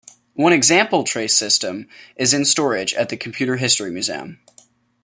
One example Trace system is in storage at the Computer History Museum.